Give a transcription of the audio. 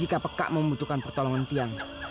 jika pekak membutuhkan pertolongan tiang